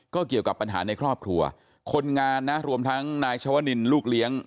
ก็เกี่ยวกับปัญหาในครอบครัวคนงานนะรวมทั้งนายชวนินลูกเลี้ยง